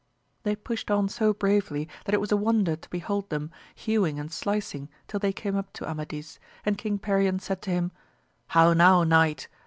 They pushed on so bravely that it was a wonder to behold them, hewing and slicing till they came up to Amadis, and King Perion said to him, How now knight